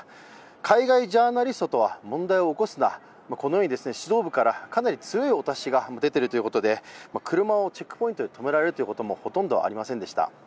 海外ジャーナリストとは問題を起こすなというように指導部からかなり強いお達しが出ているということで車をチェックポイントで止められることもほとんどありませんでした。